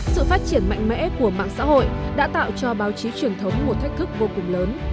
sự phát triển mạnh mẽ của mạng xã hội đã tạo cho báo chí truyền thống một thách thức vô cùng lớn